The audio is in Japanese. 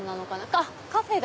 あっカフェだ。